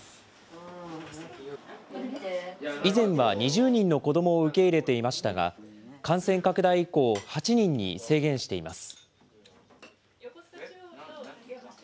以前は２０人の子どもを受け入れていましたが、感染拡大以降、８人に制限しています。